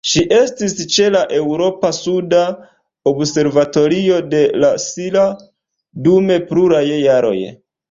Ŝi estis ĉe la Eŭropa suda observatorio de La Silla dum pluraj jaroj.